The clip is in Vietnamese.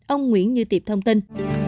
ông nguyễn như tiệp thông tin